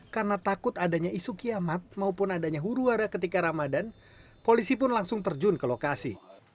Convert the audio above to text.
karena takut adanya isu kiamat maupun adanya huruara ketika ramadan polisi pun langsung terjun ke lokasi